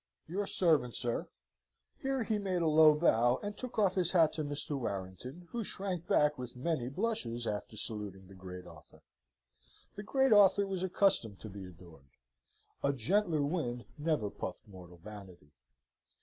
Your servant, sir." Here he made a low bow, and took off his hat to Mr. Warrington, who shrank back with many blushes, after saluting the great author. The great author was accustomed to be adored. A gentler wind never puffed mortal vanity.